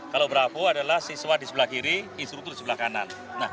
kalau bravo adalah siswa di sebelah kiri instruktur sebelah kanan